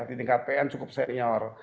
di tingkat pn cukup senior